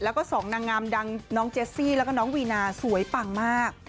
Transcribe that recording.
แล้วก็สองนางงามดังน้องเจสซี่แล้วก็น้องวีนาสวยปังมาก